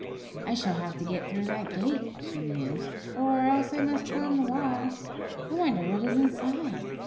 'I shall have to get through that gate,' she mused, 'or else I must climb the wall. I wonder what is inside!